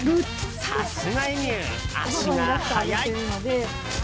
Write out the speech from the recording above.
さすがエミュー、足が速い！